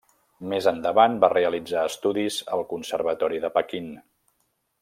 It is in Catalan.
Més endavant va realitzar estudis al conservatori de Pequín.